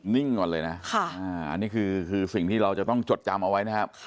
นิ่งก่อนเลยนะอันนี้คือสิ่งที่เราจะต้องจดจำเอาไว้นะครับ